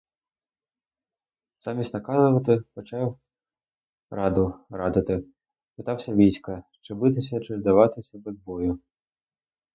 Замість наказувати, почав раду радити, питався війська, чи битися, чи здаватися без бою?